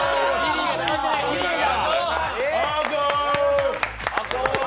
リリーが！